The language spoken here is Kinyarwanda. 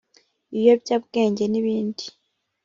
ibiyobya bwenge n ibindi